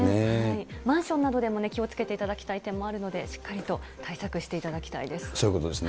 マンションなどでもね、気をつけていただきたい点もあるので、しっかりと対そういうことですね。